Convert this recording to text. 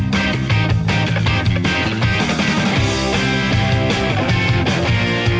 ใช่ใช่ใช่ใช่ใช่